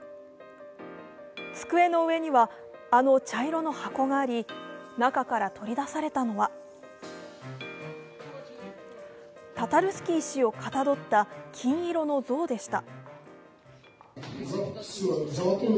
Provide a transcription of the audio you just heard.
机の上にはあの茶色の箱があり、中から取り出されたのはタタルスキー氏をかたどった金色の像でした。